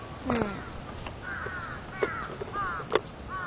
うん。